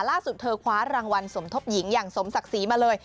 เธอคว้ารางวัลสมทบหญิงอย่างสมศักดิ์ศรีมาเลย